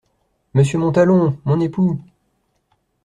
Monsieur Montalon ! mon époux !